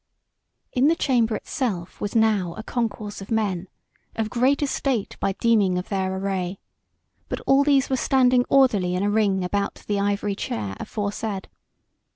In the chamber itself was now a concourse of men, of great estate by deeming of their array; but all these were standing orderly in a ring about the ivory chair aforesaid.